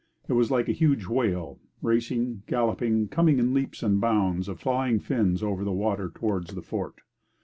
It was like a huge whale, racing, galloping, coming in leaps and bounds of flying fins over the water towards the fort.